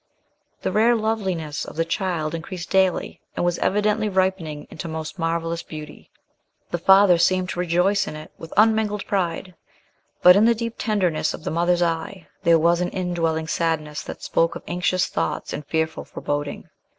The rare loveliness of the child increased daily, and was evidently ripening into most marvellous beauty. The father seemed to rejoice in it with unmingled pride; but in the deep tenderness of the mother's eye, there was an indwelling sadness that spoke of anxious thoughts and fearful foreboding.